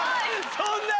そんなに？